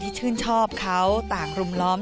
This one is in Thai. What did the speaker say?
ชื่นชอบเขาต่างรุมล้อม